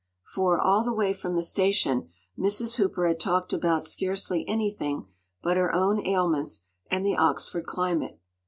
For, all the way from the station, Mrs. Hooper had talked about scarcely anything but her own ailments, and the Oxford climate.